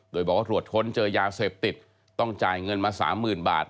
โดยบอกว่าตรวจค้นเจอยาเสพติดต้องจ่ายเงินมา๓๐๐๐บาท